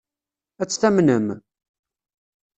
Ad tt-tamnem?